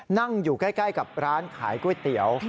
นั่งอยู่ใกล้กับร้านขายก๋วยเตี๋ยว